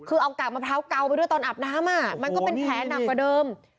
คือเอากากมะพร้าวเกาไปด้วยตอนอาบน้ำมันก็เป็นแผลหนักกว่าเดิม